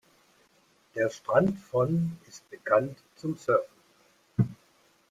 Der Strand von ist bekannt zum Surfen.